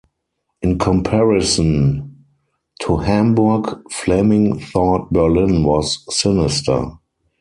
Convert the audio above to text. In comparison to Hamburg, Fleming thought Berlin was "sinister".